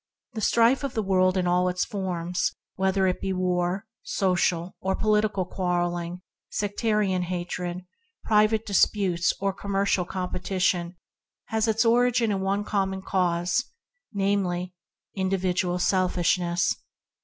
The strife of the world in all its forms, whether it be war, social or political quarrel ing, sectarian hatred, private disputes, or commercial competiton, has its origin in a common cause, namely, individual selfishness.